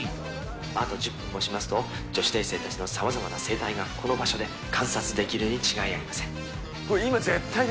あと１０分もしますと、女子大生たちのさまざまな生態が、この場所で観察できるに違いありません。